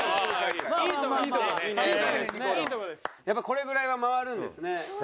やっぱこれぐらいは回るんですね。